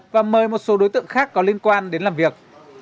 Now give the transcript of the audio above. và mời một số đối tượng khác có liên quan đến làm việc